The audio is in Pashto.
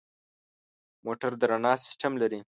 موټر د رڼا سیستم لري.